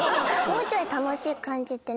もうちょい楽しい感じって